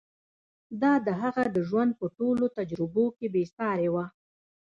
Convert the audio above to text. دا د هغه د ژوند په ټولو تجربو کې بې سارې وه.